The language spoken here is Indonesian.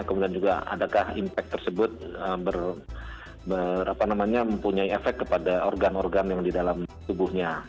kemudian juga adakah impact tersebut mempunyai efek kepada organ organ yang di dalam tubuhnya